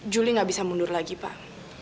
juli nggak bisa mundur lagi pak